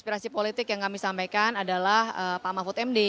aspirasi politik yang kami sampaikan adalah pak mahfud md